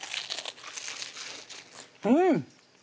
うん！